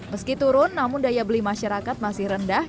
meski turun namun daya beli masyarakat masih rendah